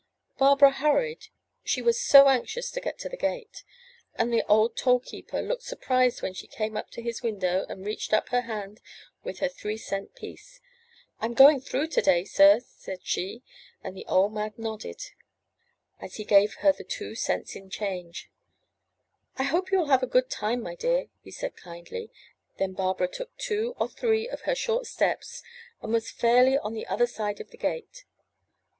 Barbara hurried, she was so anxious to get to the gate, and the old toll keeper looked surprised when she came up to his window and reached up her hand with the three cent piece. 'I'm going through to day, sir, said she, and the old man nodded as 441 MY BOOK HOUSE he gave her the two cents in change. *'I hope you will have a good time, my dear/' said he kindly; then Barbara took two or three of her short steps, and was fairly on the other side of the gate.